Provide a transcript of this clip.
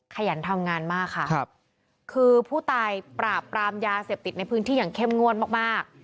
ขยันทำงานมากค่ะครับคือผู้ตายปราบปรามยาเสพติดในพื้นที่อย่างเข้มงวดมากมาก